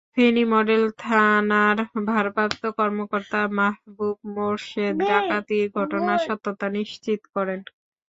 Feni model থানার ভারপ্রাপ্ত কর্মকর্তা মাহবুব মোরশেদ ডাকাতির ঘটনার সত্যতা নিশ্চিত করেন।